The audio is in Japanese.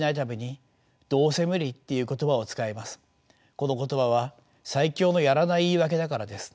この言葉は最強のやらない言い訳だからです。